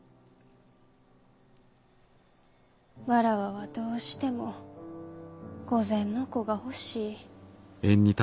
妾はどうしても御前の子が欲しい。